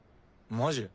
マジ？